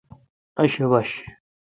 ااشوبش